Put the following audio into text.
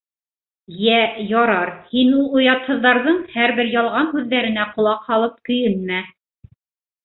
— Йә, ярар, һин ул оятһыҙҙарҙың һәр бер ялған һүҙҙәренә ҡолаҡ һалып көйөнмә.